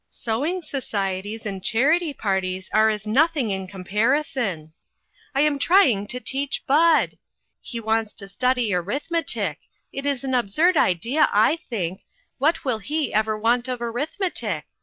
Sewing societies and charity parties are as nothing in comparison. I am trying to teach Bud ! He wants to study arithmetic ; it is an absurd idea, I think ; what will he ever want of arithmetic